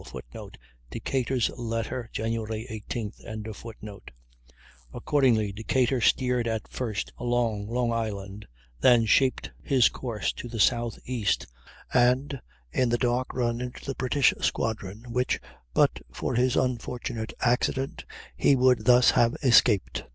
[Footnote: Decatur's letter, Jan. 18th.] Accordingly Decatur steered at first along Long Island, then shaped his course to the S.E., and in the dark ran into the British squadron, which, but for his unfortunate accident, he would thus have escaped.